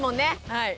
はい。